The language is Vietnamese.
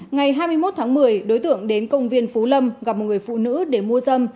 ngày hai mươi một tháng một mươi đối tượng đến công viên phú lâm gặp một người phụ nữ để mua dâm